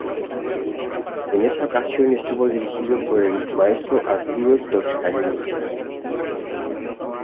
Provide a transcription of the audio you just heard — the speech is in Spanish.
En esa ocasión estuvo dirigido por el maestro Arturo Toscanini.